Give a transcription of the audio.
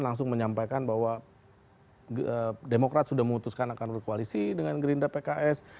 langsung menyampaikan bahwa demokrat sudah memutuskan akan berkoalisi dengan gerindra pks